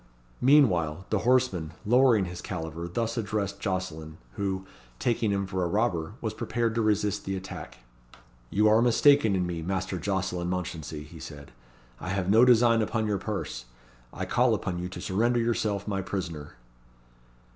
Meanwhile the horseman, lowering his caliver, thus addressed Jocelyn, who, taking him for a robber, was prepared to resist the attack. "You are mistaken in me, Master Jocelyn Mounchensey," he said; "I have no design upon your purse. I call upon you to surrender yourself my prisoner."